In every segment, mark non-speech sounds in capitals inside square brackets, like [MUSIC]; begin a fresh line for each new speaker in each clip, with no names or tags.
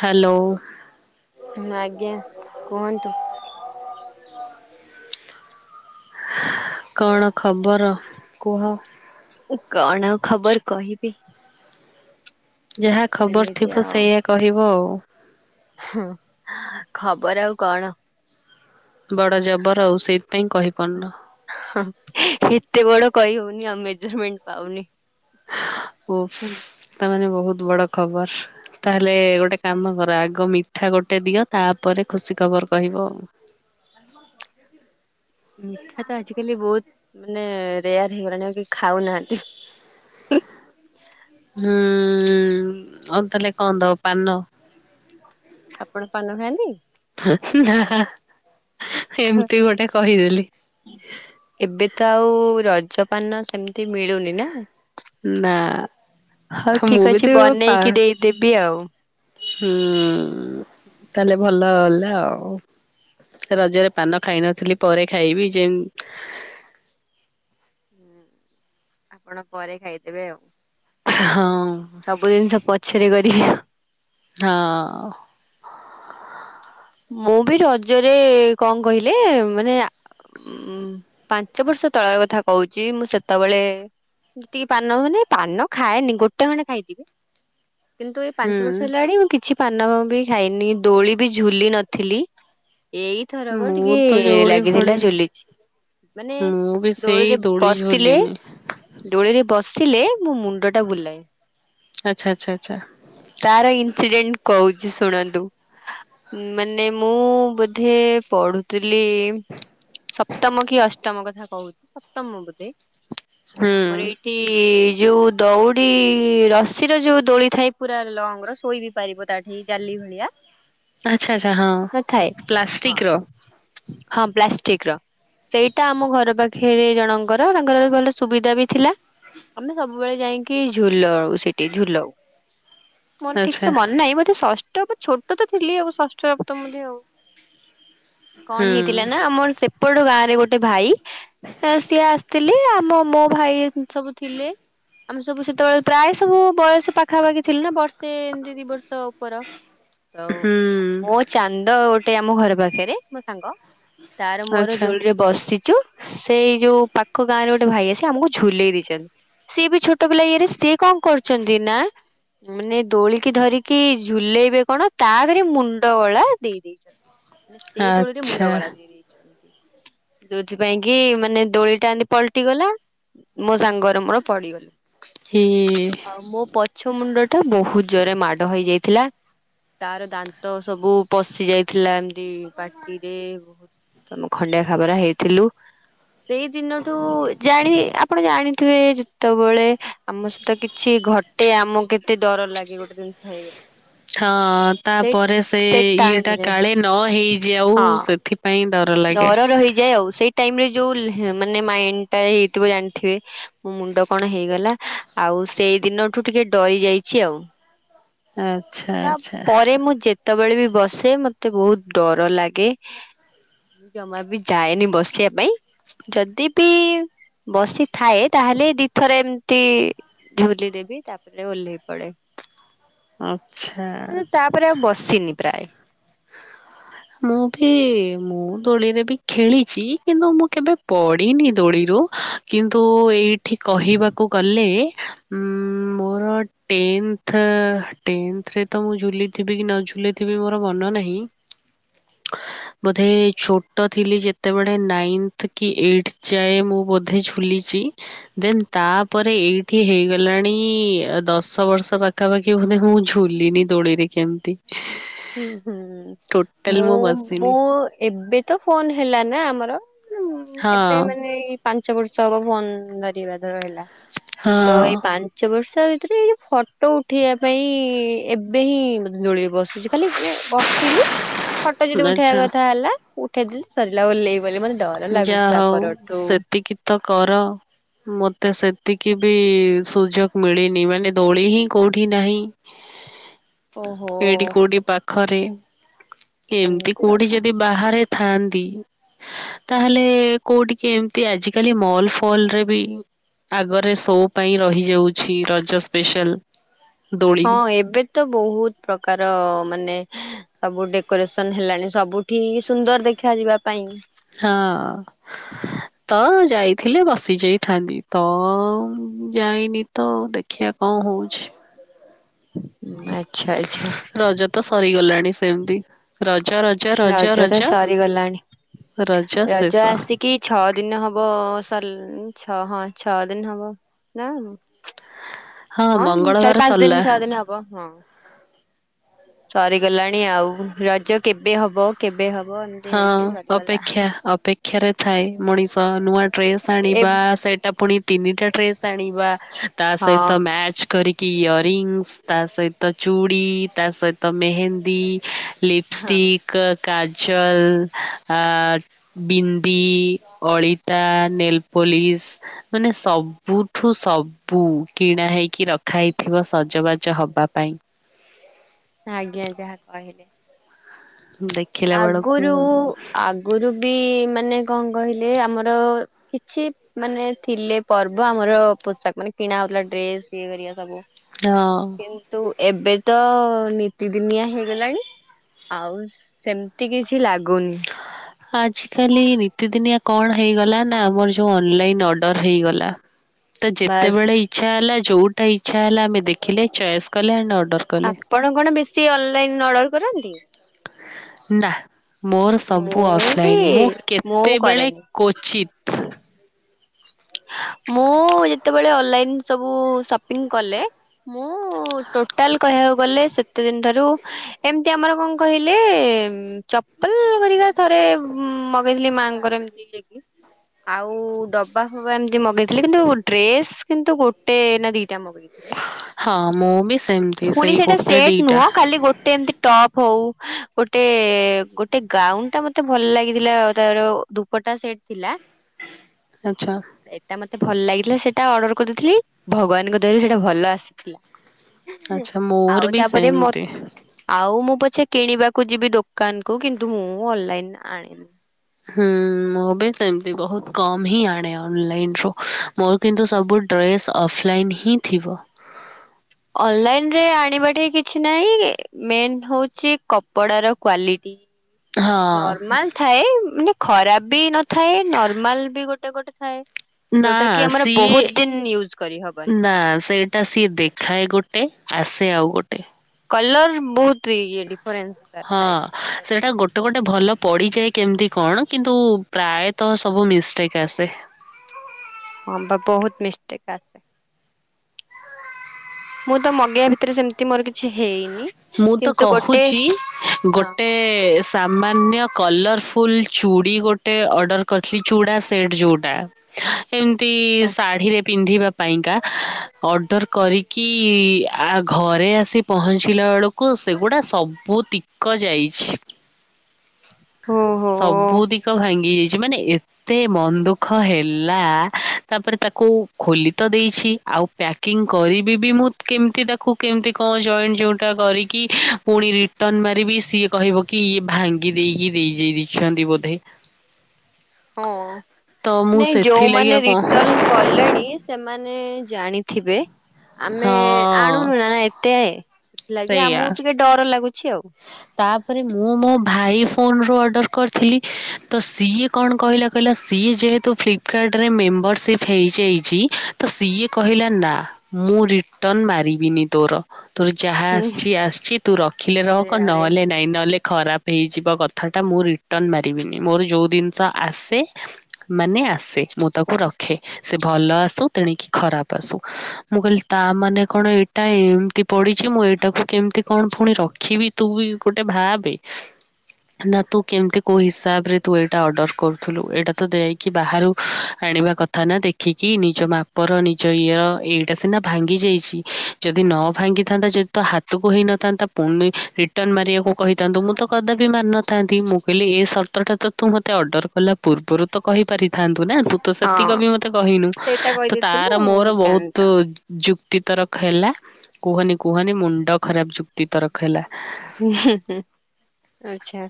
Hello.
ହୁଁ ଆଜ୍ଞା କୁହନ୍ତୁ।
କଣ ଖବର କୁହ?
କଣ ଆଉ ଖବର କହିବି?
ଯାହା ଖବର
ଏମିତି
ଥିବ
ଆଉ
ସେଇଆ କହିବ ଆଉ।
ହୁଁ ଖବର ଆଉ କଣ?
ବଡ ଜବର ଆଉ, ସେଇଥିପାଇଁ କହିପାରୁନ।
ଏତେ ବଡ କଇ ହଉନି ଆଉ ମେଜରମେଣ୍ଟ ପାଉନି।
ଓ
ହୁଁ
ଫ୍ ତା ମାନେ ବହୁତ୍ ବଡ ଖବର। ତାହେଲେ ଗୋଟେ କାମ କର ଆଗ ମିଠା ଗୋଟେ ଦିଅ ତାପରେ ଖୁସି ଖବର କହିବ ଆଉ।
ମିଠା ତ ଆଜିକାଲି ବହୁତ ମାନେ ରେୟାର ହେଇଗଲାଣି ଆଉ କେଇ ଖାଉନାହାନ୍ତି।
ହୁଁ ଆଉ ତାଲେ କଣ ଦବ ପାନ?
ଆପଣ ପାନ ଖାଆନ୍ତି?
ନା ଏମିତି ଗୋଟେ କହିଦେଲି।
ଏବେ ତ ଆଉ ରଜପାନ ସେମିତି ମିଳୁନି ନା!
ନା
ହଉ
ମୁଁ
ଠିକ୍
ବି ତ
ଅଛି
ପା
ବନେଇକି ଦେଇଦେବି ଆଉ।
ହୁଁ ତାହେଲେ ଭ ଭଲ ହେଲା ଆଉ, ରଜରେ ପାନ ଖାଇନଥିଲି ପରେ ଖାଇବି ଯେମ୍
ହୁଁ ଆପଣ ପରେ ଖାଇଦେବେ ଆଉ।
ହଁ।
ସବୁ ଜିନିଷ ପଛେରେ କରି ହ
ହଁ।
ମୁଁ ବି ରଜରେ କଣ କହିଲେ ମାନେ ଆ ଉଁ ପାଞ୍ଚ ବର୍ଷ ତଳର କଥା କହୁଚି ମୁଁ ସେତେବେଳେ ଯେତିକି ପାନ ହୁଏନି, ପାନ ଖାଏନି ଗୋଟେ ଖଣ୍ଡେ ଖାଇଥିବି କିନ୍ତୁ ଏଇ ପାଞ୍ଚ ବର୍ଷ
ହୁଁ
ହେଲାଣି ମୁଁ କିଛି ପାନ ବି ଖାଇନି ଦୋଳି ବି ଝୁ ଝୁଲି ନଥିଲି ଏଇଥରକ
ମୁଁ
ଟିକେ
ତ ଦୌଡି ଫୋଡେ
ଲାଗିଥିଲା ଝୁଲିଚି। ମାନେ
ମୁଁ ବି ସେଇ
ଦୋଳିରେ
ଦୋଳି
ବସିଲେ
ଝୁଲିନି
ଦୋଳିରେ ବସିଲେ ମୋ ମୁଣ୍ଡଟା ବୁଲାଏ।
ଆଚ୍ଛା ଆଚ୍ଛା ଆଚ୍ଛା।
ତାର ଇନସିଡେଣ୍ଟ କହୁଚି ଶୁଣନ୍ତୁ। ମାନେ ମୁଁ ବୋଧେ ପଢୁ ଥିଲି ସପ୍ତମ କି ଅଷ୍ଟମ କଥା କହୁଚି ସପ୍ତମ ବୋଧେ
ହୁଁ
ଆମର ଏଇ ଠି ଯୋଉ ଦଉଡି ରଶିର ଯୋଉ ଦୋଳି ଥାଏ ପୁରା ଲଙ୍ଗର ଶୋଇ ବି ପାରିବ ତାଠି ଜାଲି ଭଳିଆ
ଆଚ୍ଛା ଆଚ୍ଛା ହଁ।
ନଥାଏ ହଁ
ପ୍ଲାଷ୍ଟିକ ର
ହଁ ପ୍ଲାଷ୍ଟିକ ର ସେଇଟା ଆମ ଘର ପାଖରେ ଜଣଙ୍କର ତାଙ୍କର ଭଲ ସୁବିଧା ବି ଥିଲା ଆମେ ସବୁବେଳେ ଯାଇଁକି ଝୁଲଉ ସେଠି ଝୁଲଉ ମୋର ଠିକ ସେ
ଆଚ୍ଛା
ମନେ ନାହିଁ ବୋଧେ ଷଷ୍ଠ ବା ଛୋଟ ତ ଥିଲି ଅବଶ୍ [UNINTELLIGIBLE] କଣ
ହୁଁ
ହେଇଥିଲା ନା ଆମର ସେ ପଟ ଗାଁରେ ଗୋଟେ ଭାଇ ସିଏ ଆସିଥିଲେ ଆମ ମୋ ଭାଇ ସବୁ ଥିଲେ। ଆମେ ସବୁ ସେତେବେଳେ ପ୍ରାୟ ସବୁ ବୟସ ପାଖାପାଖି ଥିଲୁ ନା ବର୍ଷେ ଏମତି ଦି ବର୍ଷ ଉପର ତ ମୋ
ହୁଁ
ଚାନ୍ଦ ଗୋଟେ ଆମ ଘର ପାଖରେ ମୋ ସାଙ୍ଗ ତାର ମୋର
ଆଚ୍ଛା
ଦୋଳିରେ ବସି ଯ ସେଇ ଯୋଉ ପାଖ ଗାଁ ରେ ଗୋଟେ ଭାଇ ଆସି ଆମକୁ ଝୁଲେଇ ଦେଇଛନ୍ତି। ସିଏ ବି ଛୋଟ ପିଲ ଇଏରେ ସିଏ କଣ କରୁଛନ୍ତି ନା ମାନେ ଦୋଳିକି ଧରିକି ଝୁଲେଇବେ କଣ ତା ରେ ମୁଣ୍ଡ ଗଳା ଦେଇ ଦେଇେଇଛନ୍ତି ମାନେ ସେ ଦୋଳରେ
ଆଚ୍ଛା
ମୁଣ୍ଡ ଗଳା ଦେଇ ଦେଇେଇଛନ୍ତି। ଯୋଉଥିପାଇଁ କି ମାନେ ଦୋଳି ଟା ଏମତି ପଲଟି ଗଲା ମୋ ସାଙ୍ଗର ମୋର ପଡିଗଲୁ।
ହ
ଆଉ ମୋ ପଛ ମୁଣ୍ଡ ଟା ବହୁତ ଜୋରେ ମାଡ ହେଇଯାଇଥିଲା ତାର ଦାନ୍ତ ସବୁ ପଶି ଯାଇଥିଲା ଏମିତି ପାଟିରେ ବହୁତ ତ ଖଣ୍ଡିଆ ଖାବରା ହେଇଥିଲୁ। ସେଇ ଦିନଠୁ ଜାଣି ଆପଣ ଜାଣିଥିବେ ଯେତେବେଳେ ଆମ ସହିତ କିଛି ଘଟେ ଆମକୁ କେତେ ଡର ଲାଗେ ଗୋଟେ ଜିନିଷ ହେଇଗଲା।
ହଁ ତାପରେ ସେ ଇଏ ଟା କାଳେ ନ ହେଇଯ ଆଉ
ହଁ
ସେଥି ପାଇଁ ଡର ଲାଗେ।
[UNINTELLIGIBLE] ଇ ରେ ଯୋଉ ମାନେ ମାଇଣ୍ଡ ଟା ହେଇଥିବ ଜାଣିଥିବେ ମୋ ମୁଣ୍ଡ କଣ ହେଇଗଲା ଆଉ ସେଇ ଦିନଠୁ ଟିକେ ଡରି ଯାଇଛି ଆଉ
ଆଚ୍ଛା
ତା
ଆଚ୍ଛା
ପରେ ମୁଁ ଯେତେବେଳେ ବି ବସେ ମତେ ବହୁତ ଡର ଲାଗେ ମୁ ଜମା ବି ଯାଏନି ବସିବା ପାଇଁ ଯଦି ବି ବସିଥାଏ ତାହେଲେ ଦି ଥର ଏମିତି ଝୁଲି ଦେବି ତା ରେ ଓହ୍ଲେଇ ପଡେ।
ଆଚ୍ଛା
ଉପରେ ଆଉ ବସିନି ପ୍ରାୟ।
ମୁଁ ବି ମୁଁ ଦୋଳିରେ ବି ଖେଳିଛି କିନ୍ତୁ ମୁଁ କେବେ ପଡ଼ିନି ଦୋଳିରୁ କିନ୍ତୁ ଏଇଠି କହିବାକୁ ଗଲେ ଉ ମୋର ଟେନ୍ଥ ଟେନ୍ଥରେ ତ ମୁଁ ଝୁଲିଥିବି କି ନ ଝୁଲିଥିବି ମୋର ମନ ନାହିଁ। ବୋଧେ ଛୋଟ ଥିଲି ଯେତେବେଳେ ନାଇନ୍ଥ କି ଏଇଟ ଯାଏ ମୁଁ ବୋଧେ ଝୁଲିଛି ଦେନ୍ ତାପରେ ଏଇଠି ହେଇଗଲାଣି ଦଶ ବର୍ଷ ପାଖ ତା ବାକି ମାନେ ମୁଁ ଝୁଲିନି ଦୌଡେଇରେ କେମିତି
ହୁଁ ହୁଁ
ଟୋଟାଲ
ମୁଁ
ବସିନି
ମୁଁ ଏବେ ତ ଫୋନ ହେଲା ନା ଆମର
ହଁ
ଏବେ ମାନେ ଏଇ ପାଞ୍ଚ ବର୍ଷ ହବ ଭୁନ୍ଦ ଧରିବା ରହିଲା ତ
ହଁ।
ଏଇ ପାଞ୍ଚ ପାଞ୍ଚ ବର୍ଷା ଭିତରେ ଏ ଫଟୋ ଉଠେଇବା ପାଇଁ ଏବେ ହିଁ ମେ ଦୋଳିରେ ବସୁଛି ଖାଲି ମାନେ ବସିଲି ଫଟୋ ଯଦି
ଆଚ୍ଛା
ଉଠେଇବା କଥା ହେଲା ଉଠେଇଦଲି ସରିଲା ଓହ୍ଲେଇ ମାନେ
ଯାହା ହଉ ସେତିକି ତ କର ମତେ ସେତିକି ବି ସୁଯୋଗ ମିଳିନି ମାନେ ଦୋଳି ହିଁ କୋଉଠି ନାହିଁ ହ
ଓହୋ
ଏଇଠି କୋଉଠି ପାଖରେ ଏମିତି କୋଉଠି ଯଦି ବାହାରେ ଥାନ୍ତି। ତାହେଲେ କୋଉଠିକେ ଏମତି ଆଜିକାଲି ମଲ ଫଲ ରେ ବି ଆଗରେ ସୋ ପାଇଁ ରହିଯାଉଛି ରଜ ସ୍ପେଶାଲ। ଦୋଳି
ହଁ ଏବେ ତ ବହୁତ ପ୍ରକାର ମାନେ ସବୁ ଡେକୋରେସନ ହେଲାଣି ସବୁଠି ସୁନ୍ଦର ଦେଖା ଯିବା ପାଇଁ।
ହଁ। ତ ଯାଇଥିଲେ ବସିଯାଇଥାନ୍ତି ତ ଯାଇନି ତ ଦେ ଦେଖିଆ କଣ ହଉଛି।
ଆଚ୍ଛା ଆଚ୍ଛା।
ରଜ ତ ସରିଗଲାଣି ସେମତି। ରଜ ରଜ ରଜ
ତ
ରଜ
ସରିଗଲାଣି।
ରଜ ଶେଷ।
କି ଛଅ ଦିନ ହବ ସରଲ ଛଅ ହଁ ଛଅ ଦିନ ହବ ନା। ହଁ ଉଁ ଚାରି
ମଙ୍ଗଳବାର
ପାଞ୍ଚ ଦିନ
ସରିଲା।
ଛଅ ଦିନ ହବ ହଁ। ସରିଗଲାଣି ଆଉ ରଜ କେବେ ହବ? କେବେ ହବ ନ୍।
ହଁ ଅପେକ୍ଷା ଅପେକ୍ଷାରେ ଥାଏ ମଣିଷ ନୂଆ ଡ୍ରେସ୍
ଏ
ଆଣିବା ସେଇଟା ପୁଣି ତିନିଟା ଡ୍ରେସ୍ ଆଣିବା ତା
ହଁ
ସହିତ ମ୍ୟାଚ କରି କି ଇୟ ରଙ୍ଗସ୍ ତା ସହିତ ଚୁଡ଼ି ତା ସହିତ ମେହେନ୍ଦୀ ଲିପ
ହଁ
ଷ୍ଟିକ୍ କାଜଲ ଆ ବିନ୍ଦି ଅଳିତା ନେଲପୋଲିସ। ମାନେ ସବୁଠୁ ସବୁ କିଣା ହେଇକି ରଖା ହେଇଥିବ ସଜବାଜ ହବା ପାଇଁ।
ଆଜ୍ଞା ଯାହା କହିଲେ।
ଦେଖ
ଆଗରୁ ଆଗରୁ ବି ମାନେ କଣ କହିଲେ ଆମର କିଛି ମାନେ ଥିଲେ ପର୍ବ ଆମର ପୋଷାକ ମାନେ କିଣା ହଉଥିଲା ଡ୍ରେସ ଇଏ ହରିକ ସବୁ।
ହଁ
କିନ୍ତୁ ଏବେ ତ ନିତିଦିନିଆ ହେଇଗଲାଣି ଆଉ ସେମିତି କିଛି ଲାଗୁନି।
ହଁଲୋ। ଆଜିକାଲି ନିତିଦିନିଆ କଣ ହେଇଗଲା ନା ଆମର ଯୋଉ ଅନଲାଇନ୍ ଅର୍ଡ଼ର ହେଇଗଲା। ତ
ବାସ୍
ଯେତେବେଳେ ଇଚ୍ଛା ହେଲା ଯୋଉଟା ଇଚଛା ହେଲା ଆମେ ଦେଖିଲେ ଚଏସ୍ କଲେ ଆଣ୍ଡ ଅର୍ଡର କଲେ।
ଆପଣ କଣ ବେଶୀ ଅନଲାଇନ୍ ଅର୍ଡ଼ର କରନ୍ତି?
ନା ମୋର ସବୁ
ମୁଁ ବି
ଅଫଲାଇନ ମୁଁ
ମୁଁ
କେତେବେଳେ
କରେନି
କୋଚିତ୍।
ମୁଁ ଯେତେବେଳେ ଅନଲାଇନ ସବୁ ସପିଂ କଲେ ମୁଁ ଟୋଟାଲ କହିବାକୁ ଗଲେ ସେତେ ଦିନ ଠାରୁ ଏମିତି ଆମର କଣ କହିଲେ ଚପଲ ହରିକା ଥରେ ଉଁ ମଗେଇଥିଲି ମାଆ ଙ୍କର ଏମିତି ହେକି ଆଉ ଡବା ହଁ ଏମିତି ମଗେଇଥିଲେ କିନ୍ତୁ ଡ୍ରେସ୍ କିନ୍ତୁ ଗୋଟେ ନା ଦିଟା ମଗେଇଥିଲି।
ହଁ ମୁଁ ବି ସେମିତି
ପୁଣି
ସେଇ
ସେଇଟା
ଗୋଟେ
ସେଟ୍
ଦିଟା।
ନୁହଁ ଖାଲି ଗୋଟେ ଏମତି ଟପ୍ ହଉ ଗୋଟେ ଗୋଟେ ଗାଉନ ଟା ମତେ ଭଲ ଲାଗିଥିଲା ତାର ଦୁପଟା ସେଟ୍ ଥିଲା।
ଆଚ୍ଛା।
ସେଇଟା ମତେ ଭଲ ଲାଗିଥିଲା ସେଇଟା ଅର୍ଡର କରିଦେଇଥିଲି ଭଗବାନଙ୍କ ଦୟାରୁ ସେଇଟା ଭଲ ଆସିଥିଲା।
ଆଚ୍ଛା
ଆଉ
ମୋର ବି
ତାପରେ ମ
ସେମିତି।
ଆଉ ମୁଁ ପଛେ କିଣିବାକୁ ଯିବି ଦୋକାନ କୁ କିନ୍ତୁ ମୁଁ ଅନଲାଇନ ଆଣିନି।
ହୁଁ ମୁଁ ବି ସେମତି ବହୁତ କମ୍ ହିଁ ଆଣେ ଅନଲାଇନ ରୁ ମୋ କିନ୍ତୁ ସବୁ ଡ୍ରେସ୍ ଅଫଲାଇନ୍ ହିଁ ଥିବ।
ଅନଲାଇନ ରେ ଆଣିବାଦଠେଇ କିଛି ନାହିଁ ମେନ୍ ହଉଛି କପଡାର କ୍ଵାଲିଟି।
ହଁ
ନର୍ମାଲ ଥାଏ ମାନେ ଖରାପ ବି ନଥାଏ ନର୍ମାଲ ବି ଗୋଟେ ଗୋଟେ ଥାଏ।
ନା
ଯୋଉଟା କି ଆମର ବହୁତ ଦିନ ୟୁଜ କରି ହବନି।
ହଁ ସେଇ ତା ସିଏ ଦେଖାଏ ଗୋଟେ ଆସେ ଆଉ ଗୋଟେ।
କଲର ବହୁତ ଇଏ ଡିଫରେନ୍ସ ଥାଏ।
ତ ଗୋଟେ ଭଲ ପଡିଯାଏ କେମତି କଣ କିନ୍ତୁ ପ୍ରାୟତଃ ସବୁ ମିଷ୍ଟେକ୍ ଆସେ।
ହଁ ବା ବହୁତ ମିଷ୍ଟେକ୍ ଆସେ। ମୁଁ ତ ମଗେଇବା ଭିତରେ ସେମିତି ମୋର କିଛି ହେଇନି।
ମୁଁ ତ
କିନ୍ତୁ ଗୋଟେ
କହୁଛି
ହଁ
ଗୋଟେ ଟେ, ସାମାନ୍ୟ କଲରଫୁଲ୍ ଚୁଡ଼ି ଗୋଟେ ଅର୍ଡର କରିଥିଲି ଚୁଡ଼ା ସେଟ୍ ଯୋଉଟା ଏମିତି
ଆଛା
ଶାଢୀରେ ପିନ୍ଧିବା ପାଇଁକା। ଅର୍ଡର କରିକି ଆ ଘରେ ଆସି ପହଞ୍ଚି ଥିଲା ବେଳକୁ ସେଗୁଡ଼ା ସବୁ ତିକ ଯାଇଛି।
ହୋ ହୋ।
ସବୁଧିକ ଭାଙ୍ଗି ଯାଇଛି। ମାନେ ଏ ଏତେ ମନ୍ ଦୁଃଖ ହେଲା, ତାପରେ ତାକୁ ଖୋଲି ତ ଦେଇଛି ଆଉ ପ୍ୟାକ୍ କିଂ କରିବି ବି ମୁଁ କେମିତି ତାକୁ କେମିତି କଣ ଜଏଣ୍ଟ ଯୋଉଟା କରିକି ପୁଣି ରି ଟନ୍ ମାରିବିି ସିଏ କହିବ କି ଇଏ ଭାଙ୍ଗି ଦେଇକି, ଦେଇ- ଦେଇଛନ୍ତି ବୋଧେ
ହଁ
ତ ମୁଁ
ନାଇଁ
ସେଥିଲାଗି
ଯୋଉମାନେ
ଆଉ କଣ
ରିଟର୍ଣ କଲେଣି ସେମାନେ ଜାଣି ଥିବେ। ଆମେ
ହଁ
ଆଣୁନୁ ନା ନା ଏତେ ଥିଲାକି
ସେଇଆ
ଆମୁକୁ ଟିକେ ଡର ଲାଗୁଛି ଆଉ।
ତାପରେ ମୁଁ ମୋ ଭାଇ ଫୋନ୍ ରୁ ଅର୍ଡ଼ର କରିଥିଲି, ତ ସିଏ କଣ କହିଲା କହିଲା, ସିଏ ଯେହେତୁ ଫ୍ଲିପ୍ କାର୍ଡରେ ମେମ୍ବରସିପ୍ ହେଇଯାଇଛି। ତ ସିଏ କହିଲା ନା ମୁଁ ରିଟର୍ଣ ମାରିବିନି ତୋର। ତୋ ଯାହା
ହୁଁ।
ଆସିଛି ଆସିଛି ତୁ ରଖିଲେ
ଆରେ
ରଖ,
ଆରେ
ନହେଲେ ନାଇଁ। ନହେଲେ ଖରାପ୍ ହେଇଯିବ କଥା ଟା ମୁଁ ରିଟର୍ଣ ମାରିବିନି। ମୋର ଯୋଉ ଜିନ୍ସ ଆସେ ମାନେ ଆସେ, ମୁଁ ତାକୁ ରଖେ। ସେ ଭଲ ଆସୁ ତେଣିକି ଖରାପ ଆସୁ। ମୁଁ କହିଲି ତା ମାନେ କଣ ଏଇଟା ଏମିତି ପଡି ଛି ମୁଁ ଏଇଟାକୁ କେମିତି କଣ ଫୁଣି ରଖିବି ତୁ ବି ଗୋଟେ ଭାବେ ନା ତୁ କେମିତି କୋଉ ହିସାବରେ ତୁ ଏଇଟା ଅର୍ଡ଼ର କରୁଥିଲୁ ଏଇଟା ତ ଦେଇକି ବାହାରୁ ଆଣିବା କଥା ଫାନା ଦେଖିକି ନିଜ ମାପର ନିଜ ଇଏର ଏଇଟା ସିନା ଭାଙ୍ଗି ଯାଇଛି, ଯଦି ନ ଭାଙ୍ଗି ଥାନ୍ତା ଯେଦେ ତ ହାତକୁ ହେଇନଥାନ୍ତା ପୁଣି ରିଟର୍ଣ ମାରିବାକୁ କହିଥାନ୍ତୁ। ମୁଁ ତ କଦାପି ମାରିନଥାନ୍ତି। କହିଲି ଏଇ ସର୍ତ୍ତଟା ତୁ ମୋତେ ଅର୍ଡର କଲା ପୂର୍ବରୁ ତ କହିପାରିଥାନ୍ତୁ ନା, ତୁ ତ
ହଁ
ସେତିକ ବି ମତେ କହିନୁ।
ସେଇଟା
ତ
କହିଦେଇଥିଲେ
ତାର ମୋର ବୋହୁତୁ
ହେଇଥାନ୍ତା।
ଯୁକ୍ତି ତରକ ହେଲା। କୁହନି କୁହନି ମୁଣ୍ଡ ଖରାପ୍ ଯୁକ୍ତି ତରଖ ହେଲା।
ଆଚ୍ଛା।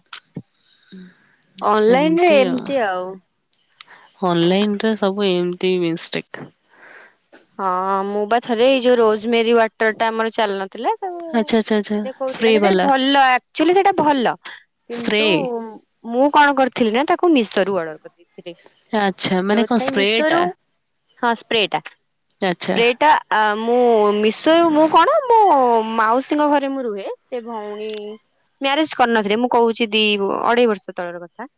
ଅନଲାଇନ ରେ
ଏମ୍ତି ଆଉ।
ଏମିତି
ଅନଲାଇନ୍ ରେ ସବୁ ଏମ୍ ଟିଭ୍ ଇନ୍ଷ୍ଟେକ୍
ହଁ ମୁଁ ବା ଥରେ ଏଇ ଯୋଉ ରୋଜ୍ ମେରି ୱାଟର୍ ଟା ଆମର ଚାଲିନଥିଲା ତାକୁ
ଆଚ୍ଛା ଆଚ୍ଛା ଆଚ୍ଛା
ଦେଖଉଥିଲା
ସ୍ପ୍ରେ
ସେଟା
ବାଲା
ଭଲ ଆକ୍ଚୁଆଲି ସେଇଟା ଭଲ।
ସ୍ପ୍ରେ
କିନ୍ତୁ ମୁଁ କଣ କରିଥିଲି ନା ତାକୁ ମିଶୋ ରୁ ଅର୍ଡର କରିଦେଇଥିଲି।
ଆଚ୍ଛା ମାନେ କଣ
ଯୋଉଥିପାଇଁ
ସ୍ପ୍ରେ
ମିଶୋ ରୁ
ଟା
ହଁ ସ୍ପ୍ରେଟା,
ଆଚ୍ଛା
ସ୍ପ୍ରେଟା ଆ ମୁଁ ମିଶୋ ୟ ମୁଁ କଣ ମୋ ମାଉସୀଙ୍କ ଘରେ ମୁଁ ରୁହେ। ସେ ଭଉଣୀ ମ୍ୟାରେଜ୍ କରିନଥିଲେ। ମୁଁ କହୁଛି ଦି ଅଢେଇ ବର୍ଷ ତଳର କଥା।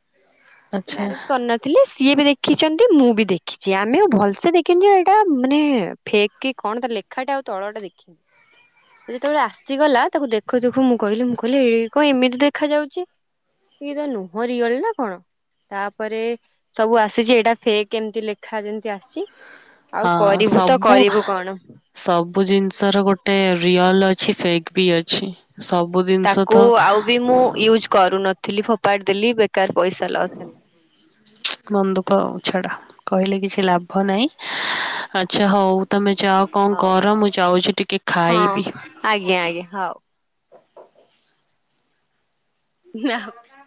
ଆଚ୍ଛା
ମ୍ୟାରେଜ୍ କରିନଥିଲେ। ସିଏ ବି ଦେଖିଛନ୍ତି। ମୁଁ ବି ଦେଖିଛି। ଆମେ ଆଉ ଭଲସେ ଦେଖିଛୁ ଏଇଟା ମାନେ ଫେକ୍ କି କଣ ତାର ଲେଖାଟା ଆଉ ତଳ ଟା ଦେଖିନୁ। ସେ ଯେତେବେଳେ ଆସିଗଲା, ତାକୁ ଦେଖୁ ଦେଖୁ ମୁଁ କହିଲି, ମୁଁ କହିଲି ଏଇ କଣ ଏମିତି ଦେଖାଯ ଯାଉଛି ଇଏ ତ ନୁହଁ ରିଏଲ୍ ନା କଣ। ତାପରେ ସବୁ ଆସିଛି ଏଇଟା ଫେକ୍ ଏମ୍ତି ଲେଖା ଯେମିତି ଆସିଛି। ଆଉ
ହଁ
କରିବୁ ତ
ସବୁ
କରିବୁ କଣ
ସବୁ ଜିନ୍ସ ର ଗୋଟେ ରିଅଲ୍ ଅଛି, ଫେକ୍ ବି ଅଛି। ସବୁ ଜିନିଷ ତ
ତାକୁ ଆଉ ବି ମୁଁ ୟୁଜ୍ କରୁନଥିଲି, ଫୋପାଡି ଦେଲି। ବେକାର୍ ପଇସା ଲସ୍ ହେଲା।
ମନ ଦୁଃଖ, ଛାଡ କହିଲେ କିଛି ଲାଭ ନାହିଁ। ଆଛା ହୋଉ ତମେ ଯାଅ କଣ
ହଉ
କର। ମୁଁ ଯାଉଛି ଟିକେ
ହଁ
ଖାଇବି।
ଆଜ୍ଞା ଆଜ୍ଞା, ହୋଉ। [UNINTELLIGIBLE]